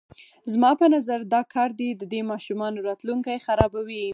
زما په نظر دا کار د دې ماشومانو راتلونکی خرابوي.